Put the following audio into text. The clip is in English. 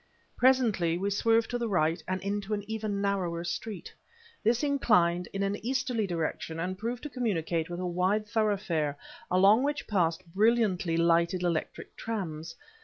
Presently we swerved to the right and into an even narrower street. This inclined in an easterly direction, and proved to communicate with a wide thoroughfare along which passed brilliantly lighted electric trams.